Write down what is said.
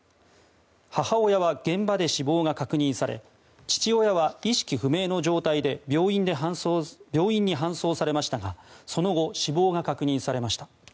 母親は現場で死亡が確認され父親は意識不明の状態で病院に搬送されましたがその後、死亡が確認されました。